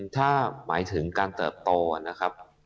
ถ้าหมายถึงการเติบโตนะครับ